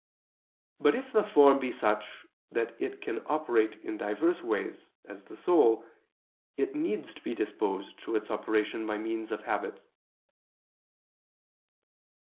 But if the form be such that it can operate in diverse ways, as the soul; it needs to be disposed to its operations by means of habits.